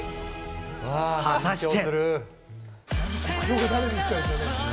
果たして。